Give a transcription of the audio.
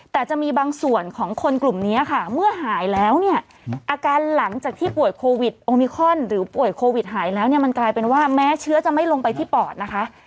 แต่จะมีบางส่วนของคนกลุ่มนี้ค่ะเมื่อหายแล้วเนี่ยอาการหลังจากที่ป่วยโควิดโอมิคอนหรือป่วยโควิดหายแล้วเนี่ยมันกลายเป็นว่าแม้เชื้อจะไม่ลงไปที่ปอดนะคะ